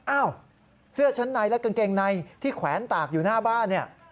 อ้าวเสื้อชั้นในและกางเกงในที่แขวนตากอยู่หน้าบ้านเนี่ย